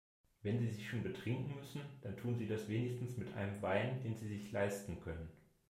Wenn Sie sich schon betrinken müssen, dann tun Sie das wenigstens mit einem Wein, den Sie sich leisten können.